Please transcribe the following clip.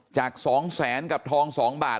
จากสองแสนกับทองสองบาท